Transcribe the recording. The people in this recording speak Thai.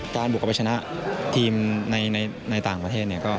การบุกรับไปชนะทีมในต่างประเทศ